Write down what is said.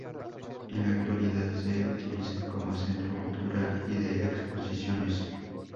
En la actualidad se utiliza como centro cultural y de exposiciones.